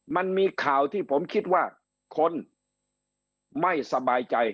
มันมีข่าวที่ผมคิดว่าคนไม่สบายใจ